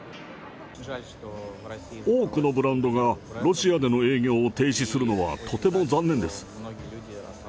多くのブランドがロシアでの営業を停止するのはとても残念です。